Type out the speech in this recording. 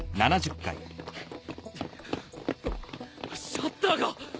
シャッターが！